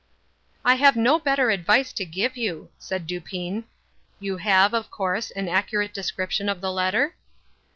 "I have no better advice to give you," said Dupin. "You have, of course, an accurate description of the letter?"